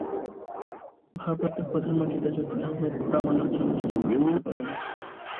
ভারপ্রাপ্ত প্রধানমন্ত্রী তাজউদ্দিন আহমেদ প্রামাণ্য চলচ্চিত্রের প্রশংসা করেন।